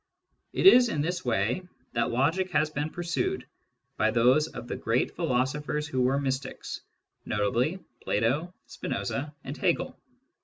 It is in j this way that logic has been pursued by those of the great philosophers who were mystics — notably Plato, 'i Spinoza, and Hegel.